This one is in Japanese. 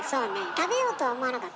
食べようとは思わなかった？